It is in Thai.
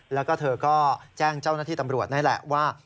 แล้วก็เธอก็แจ้งเจ้าหน้าที่ตำรวจนั่นแหละว่า